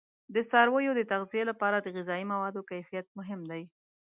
د څارویو د تغذیه لپاره د غذایي موادو کیفیت مهم دی.